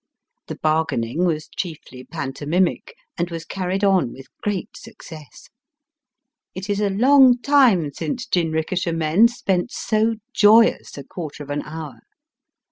The bargaining was chiefly pantomimic, and was carried on with great success. It is a long time since jinrikisha men spent so joyous a quarter of an hour.